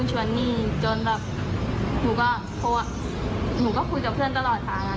หนูก็ไม่รู้ว่าเขาจะไปบ้านหนูทำไม